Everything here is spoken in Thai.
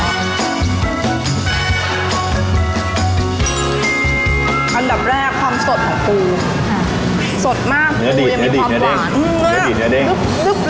อันดับแรกความสดของปูค่ะสดมากเนื้อดีเนื้อดีเนื้อเด้ง